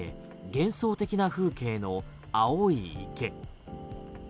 幻想的な風景の青い池。